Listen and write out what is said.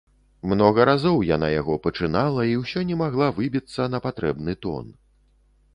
Многа разоў яна яго пачынала і ўсё не магла выбіцца на патрэбны тон.